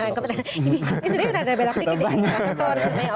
ini sebenarnya benar benar beraktifitas infrastruktur